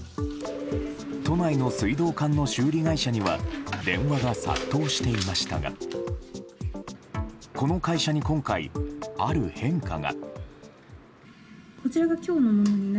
都内の水道管の修理会社には電話が殺到していましたがこの会社に今回、ある変化が。